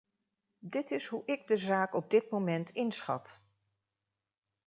Dit is hoe ik de zaak op dit moment inschat.